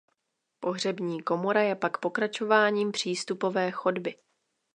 Pohřební komora je pak pokračováním přístupové chodby.